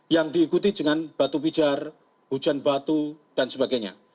yang diikuti dengan batu pijar hujan batu dan sebagainya